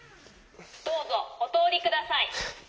どうぞおとおりください。